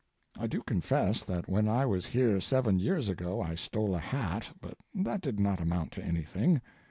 I do confess that when I was here seven years ago I stole a hat, but that did not amount to anything.